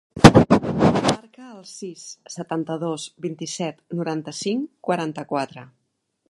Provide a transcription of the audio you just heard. Marca el sis, setanta-dos, vint-i-set, noranta-cinc, quaranta-quatre.